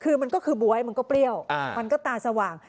คือมันก็คือบ๊วยมันก็เปรี้ยวมันก็ตาสว่าง